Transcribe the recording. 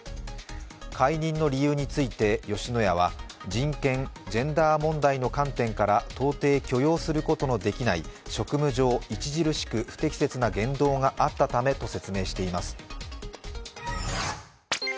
解任の理由について吉野家は人権・ジェンダー問題の観点から到底許容することのできない職務上、著しく不適任な言動があったためと説明しています。